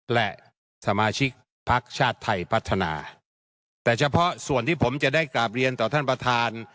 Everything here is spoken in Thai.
และสมาชิกพักชาติไทยพัฒนาแต่เฉพาะส่วนที่ผมจะได้กราบเรียนต่อท่านประธาน